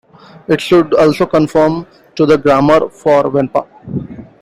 It should also conform to the grammar for Venpa.